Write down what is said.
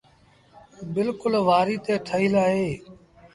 بلڪُل وآريٚ تي ٺهيٚل اهي۔